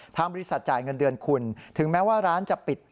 บริษัทจ่ายเงินเดือนคุณถึงแม้ว่าร้านจะปิด